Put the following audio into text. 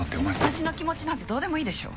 私の気持ちなんてどうでもいいでしょ？